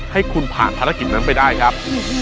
ให้คุณผ่านภารกิจนั้นไปได้ครับ